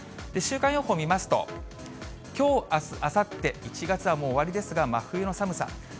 週間予報を見ますと、きょう、あす、あさって、１月はもう終わりですが、真冬の寒さ。